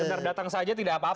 sebentar datang saja tidak apa apa